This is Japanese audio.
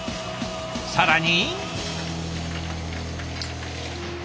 更に。